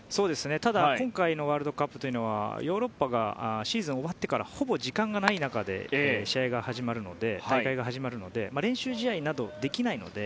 ただ今回のワールドカップはヨーロッパがシーズンを終わってからほぼ時間がない中で大会が始まるので練習試合などできないので。